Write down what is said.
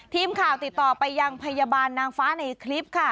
ทีมข่าวติดต่อไปยังพยาบาลนางฟ้าในคลิปค่ะ